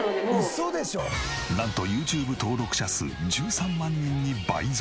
なんとＹｏｕＴｕｂｅ登録者数１３万人に倍増。